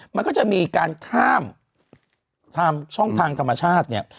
มันก็จะมีการข้ามทางช่องทางธรรมชาติเนี่ย